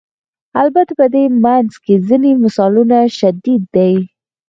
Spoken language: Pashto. البته په دې منځ کې ځینې مثالونه شدید دي.